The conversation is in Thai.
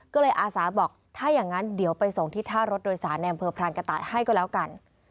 ก็เลยอาสาบอกถ้าอย่างนั้นเดี๋ยวไปส่งที่ท่ารถโดยสารในอำเภอพรานกระต่ายให้ก็แล้วกัน